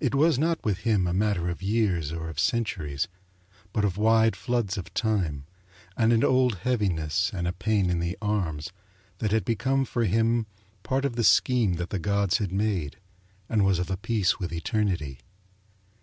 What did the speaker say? It was not with him a matter of years or of centuries, but of wide floods of time, and an old heaviness and a pain in the arms that had become for him part of the scheme that the gods had made and was of a piece with Eternity.